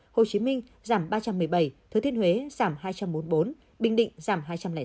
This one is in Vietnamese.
hồ chí minh giảm ba trăm một mươi bảy thừa thiên huế giảm hai trăm bốn mươi bốn bình định giảm hai trăm linh năm